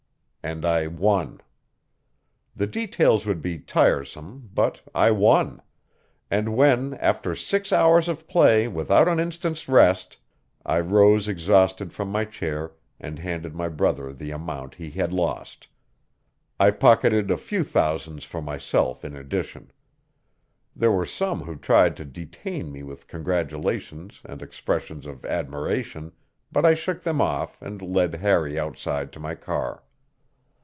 And I won. The details would be tiresome, but I won; and when, after six hours of play without an instant's rest, I rose exhausted from my chair and handed my brother the amount he had lost I pocketed a few thousands for myself in addition. There were some who tried to detain me with congratulations and expressions of admiration, but I shook them off and led Harry outside to my car.